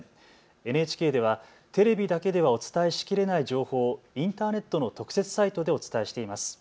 ＮＨＫではテレビだけではお伝えしきれない情報をインターネットの特設サイトでお伝えしています。